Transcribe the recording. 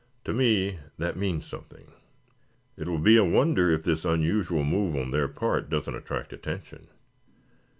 To me that means something. It will be a wonder if this unusual move on their part doesn't attract attention.